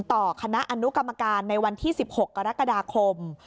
ต่อคณะอนุกรรมการในวันที่๑๖กรกฎาคม